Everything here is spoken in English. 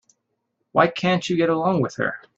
Why can't you get along with her?